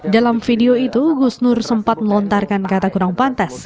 dalam video itu gus nur sempat melontarkan kata kurang pantas